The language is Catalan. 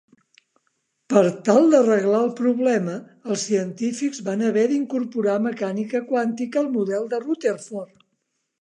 Per tal d'arreglar el problema, els científics van haver d'incorporar mecànica quàntica al model de Rutherford.